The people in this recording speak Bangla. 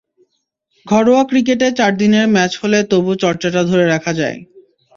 ঘরোয়া ক্রিকেটে চার দিনের ম্যাচ হলে তবু চর্চাটা ধরে রাখা যায়।